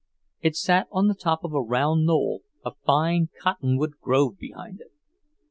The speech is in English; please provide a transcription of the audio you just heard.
It sat on the top of a round knoll, a fine cottonwood grove behind it.